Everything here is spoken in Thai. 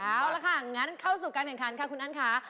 เอาละค่ะงั้นเข้าสู่การแข่งขันค่ะคุณอันค่ะ